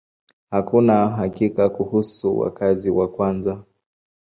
Hakuna hakika kuhusu wakazi wa kwanza.